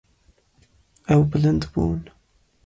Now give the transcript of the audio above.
Ew bilind bûn.